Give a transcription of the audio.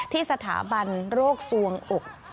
ที่สถาบันโรคสวงอก